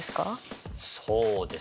そうですね。